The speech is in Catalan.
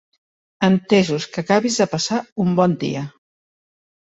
Entesos, que acabis de passar un bon dia.